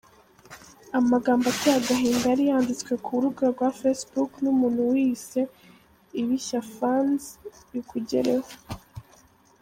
Amagambo ateye agahinda yari yanditswe ku rubuga rwa facebook n’umuntu wiyise Ibishyafans Bikugereho.